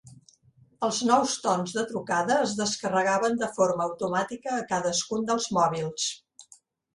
Els nous tons de trucada es descarregaven de forma automàtica a cadascun dels mòbils.